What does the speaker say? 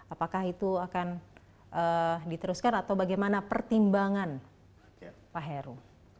apakah itu akan diteruskan atau bagaimana pertimbangan pak heru